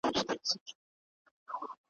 د پامیر دي، د هري، د ننګرهار دي ,